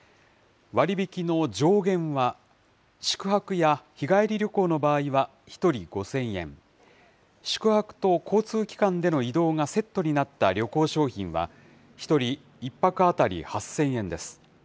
割引の上限は、宿泊や日帰り旅行の場合は１人５０００円、宿泊と交通機関での移動がセットになった旅行商品は、１人１泊当たり８０００円です。